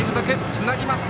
つなぎます。